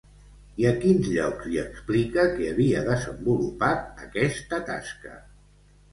I a quins llocs li explica que havia desenvolupat aquesta tasca?